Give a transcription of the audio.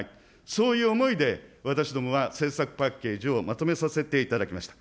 そういう思いで私どもは政策パッケージをまとめさせていただきました。